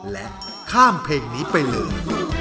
และข้ามเพลงนี้ไปเลย